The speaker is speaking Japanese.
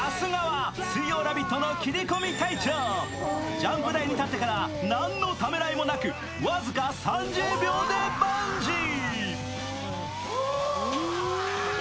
ジャンプ台に立ってから何のためらいもなく、僅か３０秒でバンジー。